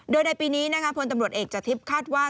โดยในปีนี้นางค้าพลตำรวจเอกจะทิศคาดว่า